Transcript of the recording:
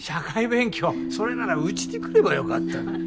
それならうちに来れば良かったのに。